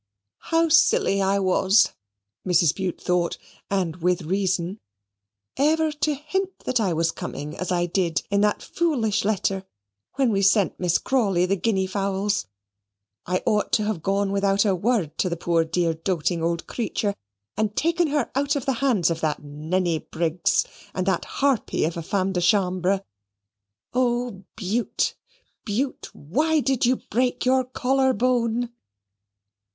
"How silly I was," Mrs. Bute thought, and with reason, "ever to hint that I was coming, as I did, in that foolish letter when we sent Miss Crawley the guinea fowls. I ought to have gone without a word to the poor dear doting old creature, and taken her out of the hands of that ninny Briggs, and that harpy of a femme de chambre. Oh! Bute, Bute, why did you break your collar bone?"